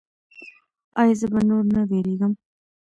ایا زه به نور نه ویریږم؟